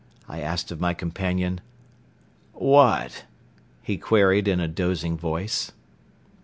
I asked of my companion. "What?" he queried in a dozing voice.